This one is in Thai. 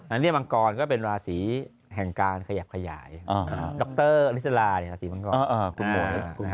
อันนี้มังกรก็เป็นราศีแห่งการขยับขยายอ่าดรลิศราเนี่ยราศีมังกร